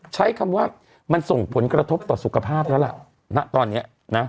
ใช้คำว่ามันส่งผลกระทบต่อสุขภาพแล้วล่ะณตอนนี้นะ